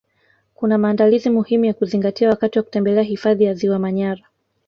Kuna maandalizi muhimu ya kuzingatia wakati wa kutembelea hifadhi ya ziwa manyara